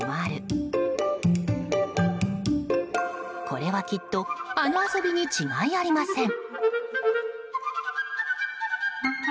これはきっとあの遊びに違いありません。